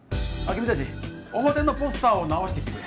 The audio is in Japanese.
君達表のポスターを直してきてくれ